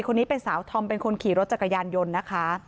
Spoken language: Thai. คนนี้เป็นสาวธอมเป็นคนขี่รถจักรยานยนต์นะคะ